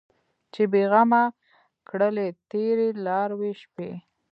چې بې غمه کړلې تېرې لاروي شپې